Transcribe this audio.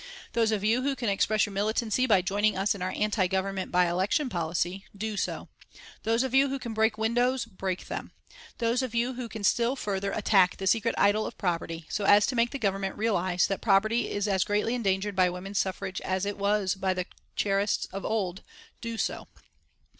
Those of you who can express your militancy by joining us in our anti Government by election policy do so. Those of you who can break windows break them. Those of you who can still further attack the secret idol of property, so as to make the Government realise that property is as greatly endangered by women's suffrage as it was by the Chartists of old do so.